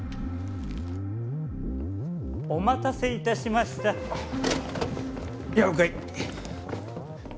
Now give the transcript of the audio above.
お待たせいたしましたやあ鵜飼